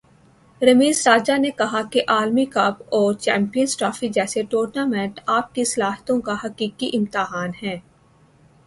رمیز راجہ نے کہا کہ عالمی کپ اور چیمپئنز ٹرافی جیسے ٹورنامنٹ آپ کی صلاحیتوں کا حقیقی امتحان ہیں